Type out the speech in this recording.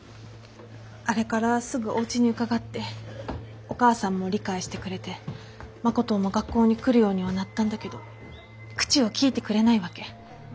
あれからすぐおうちに伺ってお母さんも理解してくれて誠も学校に来るようにはなったんだけど口をきいてくれないわけ。